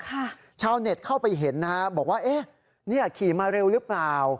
ชาวเน็ตเข้าไปเห็นนะฮะบอกว่าเอ๊ะเนี่ยขี่มาเร็วหรือเปล่า